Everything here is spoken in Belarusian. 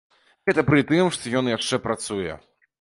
Гэта пры тым, што ён яшчэ працуе.